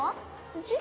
うち？